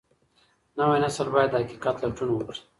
نوی نسل باید د حقیقت لټون وکړي.